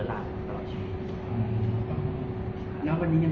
หรือเป็นอะไรที่คุณต้องการให้ดู